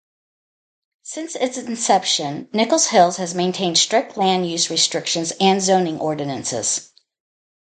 Since its inception, Nichols Hills has maintained strict land use restrictions and zoning ordinances.